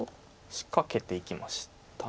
仕掛けていきました。